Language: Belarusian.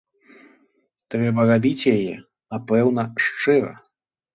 Трэба рабіць яе, напэўна, шчыра.